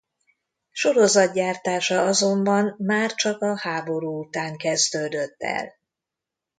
Sorozatgyártása azonban már csak a háború után kezdődött el.